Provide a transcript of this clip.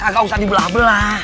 gak usah dibelah belah